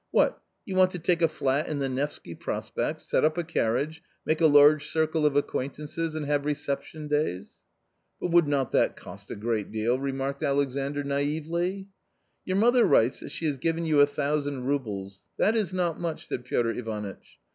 What, you want to take aflat in the Nevsky Prospect, set up a carrage, make a large circle of acquaintances and have reception days ?" "But would not that cost a great deal?" remarked Alexandr naively. " Your mother writes that she has given you a thousand roubles; that is not much," said Piotr Ivanitch.